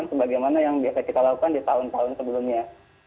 sebagaimana yang biasa kita lakukan di tahun tahun sebelumnya